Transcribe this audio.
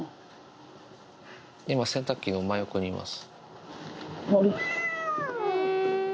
今、洗濯機の真横にいます。